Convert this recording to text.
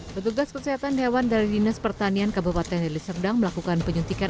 petugas kesehatan hewan dari dinas pertanian kabupaten deli serdang melakukan penyuntikan